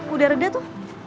udah reda tuh